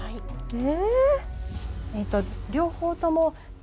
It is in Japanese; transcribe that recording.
え？